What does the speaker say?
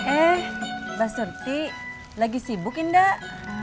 eh mbak surti lagi sibuk enggak